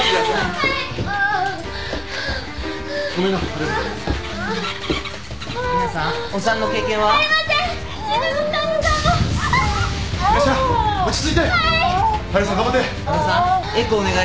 はい。